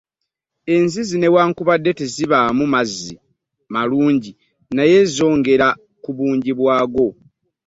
Enzizi newakubadde tezibaamu mazzi malungi naye zongera ku bungi bwago.